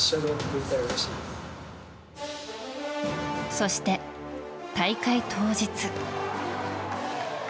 そして大会当日。